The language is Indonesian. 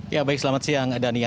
ya baik selamat siang dania